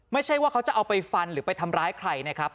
ไม่ใช่ว่าเขาจะเอาไปฟันหรือไปทำร้ายใครนะครับ